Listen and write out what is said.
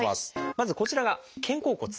まずこちらが肩甲骨。